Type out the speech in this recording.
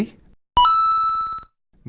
dan juga dari kata kata